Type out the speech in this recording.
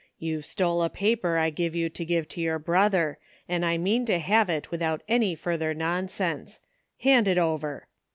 YouVe stole a paper I give you to give to your brother, an' I mean to have it without any further nonsense. Hand it over